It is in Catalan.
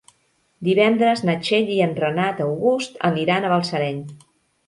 Divendres na Txell i en Renat August aniran a Balsareny.